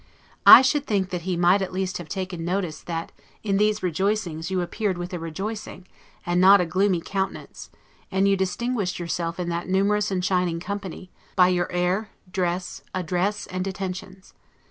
I should think that he might at least have taken notice that in these rejoicings you appeared with a rejoicing, and not a gloomy countenance; and you distinguished yourself in that numerous and shining company, by your air, dress, address, and attentions.